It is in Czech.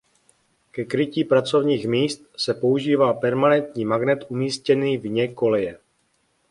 Ke krytí pracovních míst se používá permanentní magnet umístěný vně koleje.